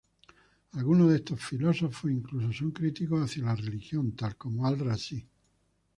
Algunos de estos filósofos incluso son críticos hacia la religión, tal como Al-Razi.